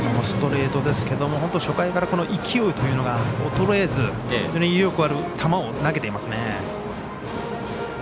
ストレートですけども本当に、初回から勢いというのが衰えず威力のある球を投げてますね。